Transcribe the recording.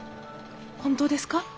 本当ですか？